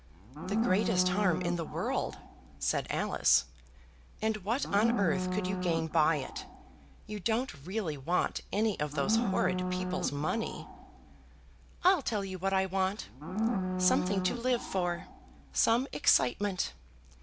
"The greatest harm in the world!" said Alice; "and what on earth could you gain by it? You don't really want any of those horrid people's money?" "I'll tell you what I want, something to live for, some excitement.